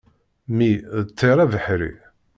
Mmi d ṭṭir abeḥri.